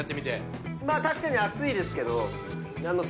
確かに熱いですけど。